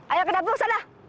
ayo ke dapur sana